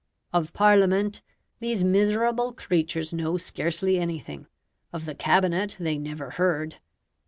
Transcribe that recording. Of Parliament these miserable creatures know scarcely anything; of the Cabinet they never heard.